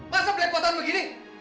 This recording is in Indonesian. masa bliep fa tangan begini